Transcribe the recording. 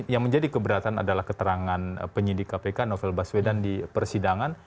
yang menjadi keberatan adalah keterangan penyidik kpk novel baswedan di persidangan